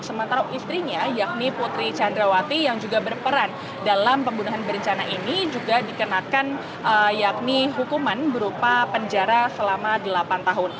sementara istrinya yakni putri candrawati yang juga berperan dalam pembunuhan berencana ini juga dikenakan yakni hukuman berupa penjara selama delapan tahun